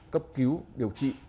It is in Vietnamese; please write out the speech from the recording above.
cấp cứu điều trị